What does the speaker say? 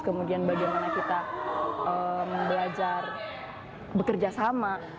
kemudian bagaimana kita belajar bekerja sama